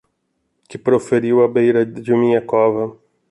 que proferiu à beira de minha cova